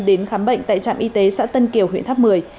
đến khám bệnh tại trạm y tế xã tân kiều huyện tháp mười